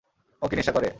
ও কী নেশা করে?